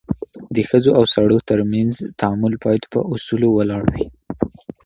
د ښځو او سړو ترمنځ تعامل بايد پر اصولو ولاړ وي.